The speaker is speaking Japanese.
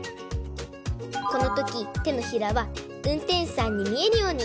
このときてのひらはうんてんしゅさんにみえるように！